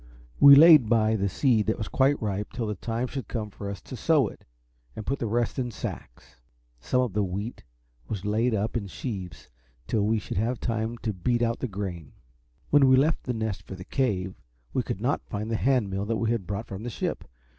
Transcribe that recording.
We laid by the seed that was quite ripe till the time should come for us to sow it, and put the rest in sacks. Some of the wheat was laid up in sheaves till we should have time to beat out the grain. When we left The Nest for the Cave, we could not find the hand mill that we had brought from the ship.